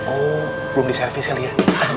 oh belum diservis kali ya